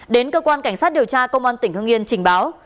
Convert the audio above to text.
đến cơ quan cảnh sát điều tra công an tỉnh hưng yên trình báo